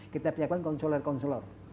kita perkerjakan counselor consuler